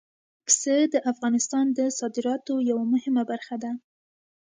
پسه د افغانستان د صادراتو یوه مهمه برخه ده.